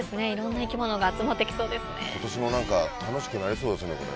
いろんな生き物が集まって来そうですね。